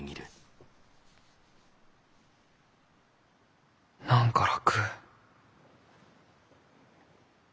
心の声何か楽。